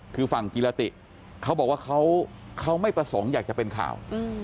คือฝั่งกิรติเขาบอกว่าเขาไม่ประสงค์อยากจะเป็นข่าว